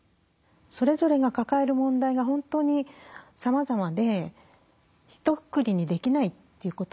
それぞれが抱える問題が本当にさまざまでひとくくりにできないっていうことはあると思うんですね。